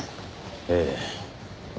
ええ。